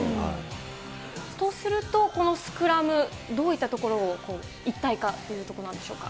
とすると、このスクラム、どういったところを一体化ということなんでしょうか。